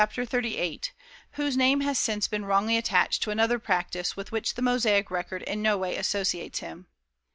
XXXVIII) whose name has since been wrongly attached to another practice with which the Mosaic record in no way associates him.